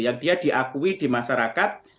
yang dia diakui di masyarakat